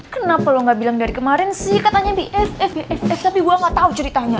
kenapa lo gak bilang dari kemarin sih katanya bfs tapi gue gak tau ceritanya